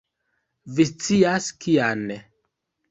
Vi scias, kian.